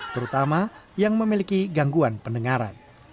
terutama yang memiliki gangguan pendengaran